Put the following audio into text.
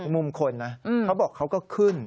มุมคนนะเขาบอกเขาก็ขึ้น